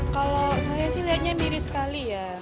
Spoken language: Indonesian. kalau saya sih lihatnya mirip sekali ya